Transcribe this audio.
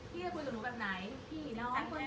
พี่จะคุยกับหนูแบบไหน